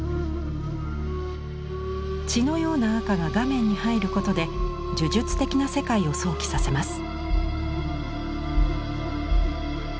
血のような赤が画面に入ることで呪術的な世界を想起させます。